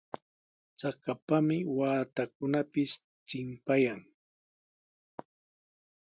Chakapami waatakunapis chimpayan.